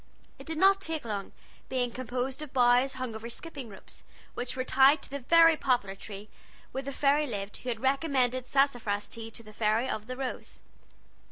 It did not take long, being composed of boughs hung over skipping ropes, which were tied to the very poplar tree where the fairy lived who had recommended sassafras tea to the Fairy of the Rose.